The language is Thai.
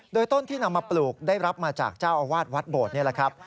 โดยต้นที่นำมาปลูกได้รับมาจากเจ้าอาวาสวัดโบดนี่แหละครับ